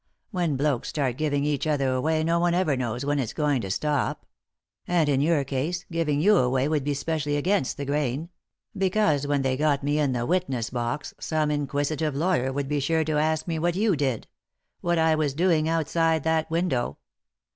When blokes start giving each other away no one ever knows when it's going to stop. And, in your case, giving you away would be specially against the grain ; be cause, when they got me in the witness box, some inquisitive lawyer would be sure to ask me what you did — what I was doing outside that window.